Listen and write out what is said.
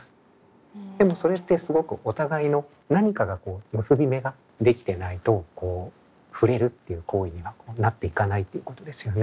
でもそれってすごくお互いの何かが結び目が出来てないとふれるっていう行為にはなっていかないっていうことですよね。